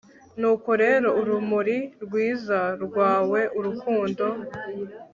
nuko rero urumuri rwiza rwawe, urukundo